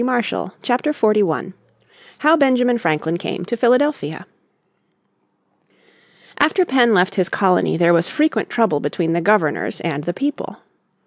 __________ Chapter 41 How Benjamin Franklin Came to Philadelphia After Penn left his colony there was frequent trouble between the Governors and the people.